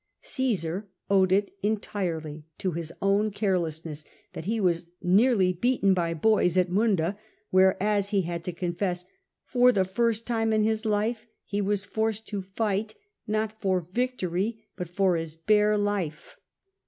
Caesar owed it entirely to his own carelessness that he was nearly '' beaten by boys " at Munda, where (as he had to confess) for the first time in his life he was forced to fight, not for victory, but for his bare life."